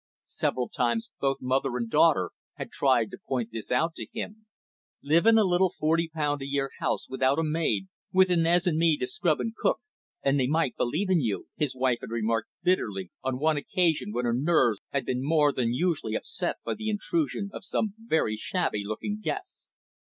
Several times both mother and daughter had tried to point this out to him. "Live in a little forty pound a year house, without a maid, with Inez and me to scrub and cook, and they might believe in you," his wife had remarked bitterly on one occasion when her nerves had been more than usually upset by the intrusion of some very shabby looking guests.